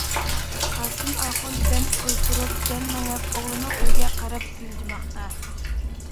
قاسىمئاخۇن دەم ئولتۇرۇپ، دەم مېڭىپ ئوغلىنىڭ ئۆيىگە قاراپ سىلجىماقتا.